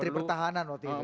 menteri pertahanan waktu itu